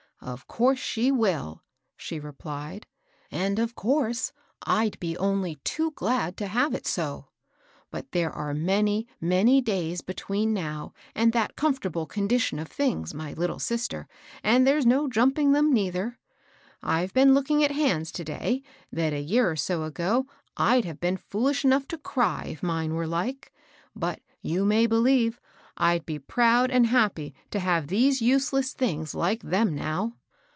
" Of course she will," she repHed ;and, of course^ I'd be only too ^ad \.o \i'aiv^ \\^, But HEART SCALDS. 209 there are many, many days between now and that comfortable condition of things, my little sister; and there's no jumping them, neither. I've been looking at hands to day, that, a year or so ago, I'd have been foolish enough to cry if mine were like ; but, you may beheve, I'd be proud and happy to have these useless things like them now."